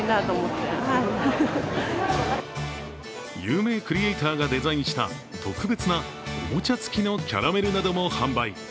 有名クリエイターがデザインした特別なおもちゃ付きのキャラメルなども販売。